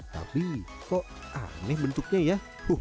tapi kok aneh bentuknya ya